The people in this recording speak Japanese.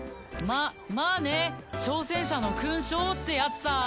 ままあね挑戦者の勲章ってやつさ。